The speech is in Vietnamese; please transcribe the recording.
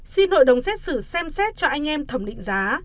xin hội đồng xét xử xem xét cho anh em thẩm định giá